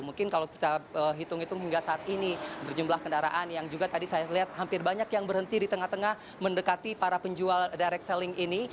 mungkin kalau kita hitung hitung hingga saat ini berjumlah kendaraan yang juga tadi saya lihat hampir banyak yang berhenti di tengah tengah mendekati para penjual direct selling ini